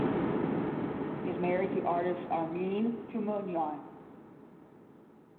He is married to artist Armine Tumanyan.